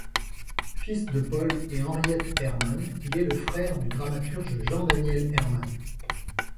Fils de Paul et Henriette Ehrmann, il est le frère du dramaturge Jean-Daniel Ehrmann.